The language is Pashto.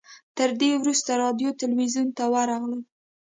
تر دې وروسته راډیو تلویزیون ته ورغلو.